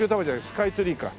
スカイツリーか。